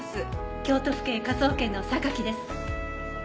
京都府警科捜研の榊です。